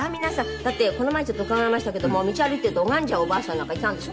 だってこの前伺いましたけども道歩いていると拝んじゃうおばあさんなんかいたんでしょ？